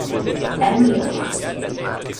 M. Lomas.